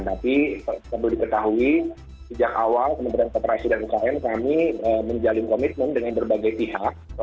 tapi sebelum diketahui sejak awal pemerintah separasi dan umkm kami menjalin komitmen dengan berbagai pihak